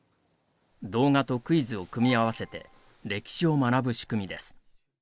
動画とクイズを組み合わせて歴史を学ぶ仕組みです。